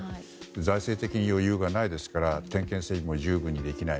財政的に余裕がないですから点検・整備も十分にできない。